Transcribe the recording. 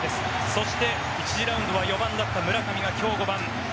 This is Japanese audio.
そして１次ラウンド４番だった村上は今日５番。